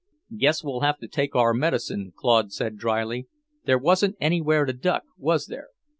"Guess we'll have to take our medicine," Claude said dryly, "There wasn't anywhere to duck, was there?